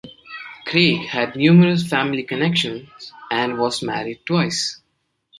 Craig had numerous family connections, and was married twice.